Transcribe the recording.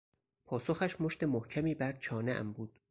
پاسخش مشت محکمی بر چانهام بود.